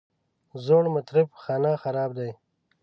زوړ مطرب خانه خراب دی.